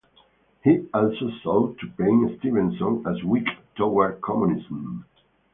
He also sought to paint Stevenson as weak toward communism.